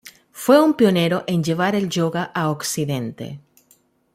Fue un pionero en llevar el yoga a Occidente.